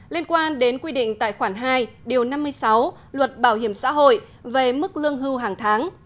liên quan đến quy định tại khoản hai điều năm mươi sáu luật bảo hiểm xã hội về mức lương hưu hàng tháng